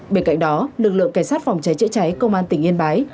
bên cạnh đó lực lượng cảnh sát phòng cháy chữa cháy công an tỉnh yên bái